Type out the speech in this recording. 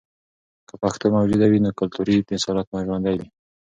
که پښتو موجوده وي، نو کلتوري اصالت به ژوندۍ وي.